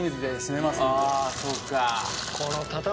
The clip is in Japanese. あそうか。